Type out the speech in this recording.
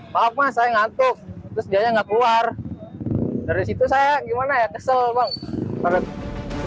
maaf mas saya ngantuk terus dia nggak keluar dari situ saya gimana ya kesel bang